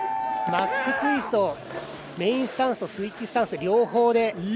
マックツイストメインスタンスとスイッチスタンスの両方で。